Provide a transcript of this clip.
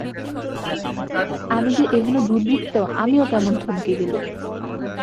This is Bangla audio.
আমি যে এ-হেন দুর্বৃত্ত, আমিও কেমন থমকে গেলুম।